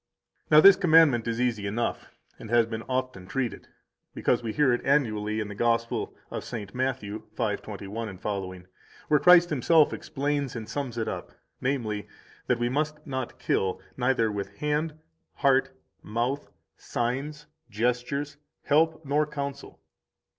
182 Now this commandment is easy enough, and has been often treated, because we hear it annually in the Gospel of St. Matthew 5:21ff, where Christ Himself explains and sums it up, namely, that we must not kill, neither with hand, heart, mouth, signs, gestures, help, nor counsel.